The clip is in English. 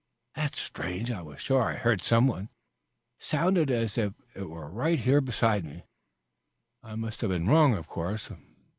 "That's strange. I was sure I heard some one. Sounded as if it were right here beside me. I must have been wrong of course.